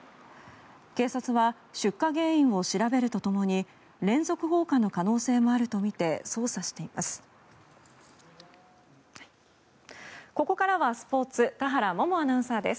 警察は出火原因を調べるとともに連続放火の可能性もあるとみて捜査しています。